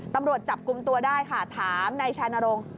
ตำรวจจับกลุ่มตัวได้ค่ะถามนายชานรงค์